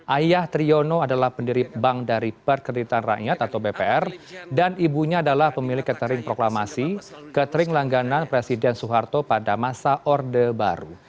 ayah triyono adalah pendiri bank dari perkereditan rakyat atau bpr dan ibunya adalah pemilik catering proklamasi ketering langganan presiden soeharto pada masa orde baru